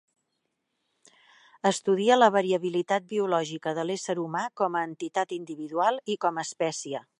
Estudia la variabilitat biològica de l'ésser humà com a entitat individual i com a espècie.